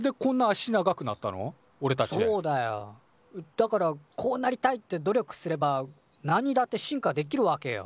だからこうなりたいって努力すればなんにだって進化できるわけよ。